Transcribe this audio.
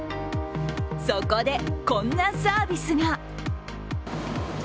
そこで、こんなサービスが。